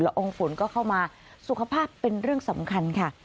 องค์ฝนก็เข้ามาสุขภาพเป็นเรื่องสำคัญค่ะ